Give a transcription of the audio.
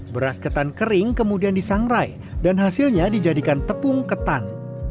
beras ketan kering kemudian disangrai dan hasilnya dijadikan tepung ketan